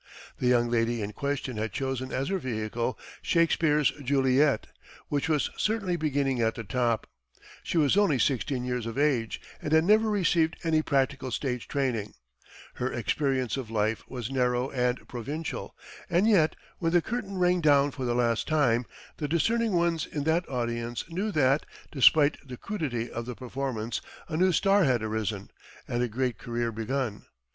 The young lady in question had chosen as her vehicle Shakespeare's Juliet, which was certainly beginning at the top; she was only sixteen years of age and had never received any practical stage training; her experience of life was narrow and provincial and yet, when the curtain rang down for the last time, the discerning ones in that audience knew that, despite the crudity of the performance, a new star had arisen and a great career begun.